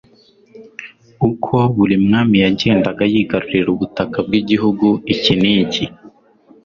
Uko buri mwami yagendaga yigarurira ubutaka bw'igihugu iki n'iki